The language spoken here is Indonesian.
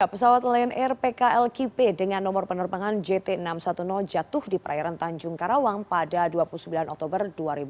pesawat lion air pkl kipe dengan nomor penerbangan jt enam ratus sepuluh jatuh di perairan tanjung karawang pada dua puluh sembilan oktober dua ribu dua puluh